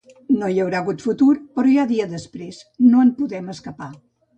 No hi haurà hagut futur, però hi ha dia després, no en podem escapar.